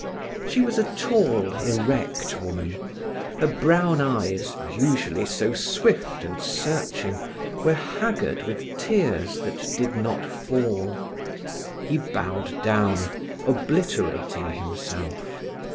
She was a tall, erect woman. Her brown eyes, usually so swift and searching, were haggard with tears that did not fall. He bowed down, obliterating himself.